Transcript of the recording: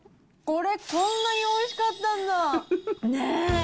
これ、こんなにおいしかったね。